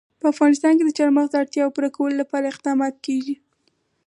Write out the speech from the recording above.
په افغانستان کې د چار مغز د اړتیاوو پوره کولو لپاره اقدامات کېږي.